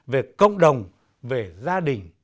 về công đồng về gia đình